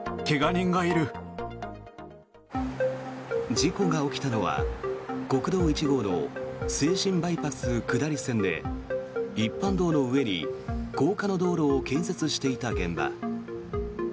事故が起きたのは国道１号の静清バイパス下り線で一般道の上に高架の道路を建設していた現場。